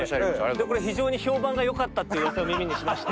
でこれ非常に評判が良かったっていううわさを耳にしまして。